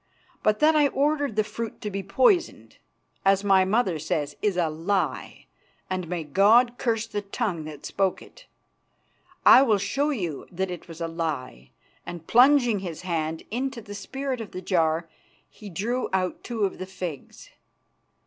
But that I ordered the fruit to be poisoned, as my mother says, is a lie, and may God curse the tongue that spoke it. I will show you that it was a lie," and plunging his hand into the spirit in the jar, he drew out two of the figs.